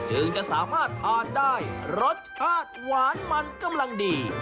จึงจะสามารถทานได้รสชาติหวานมันกำลังดี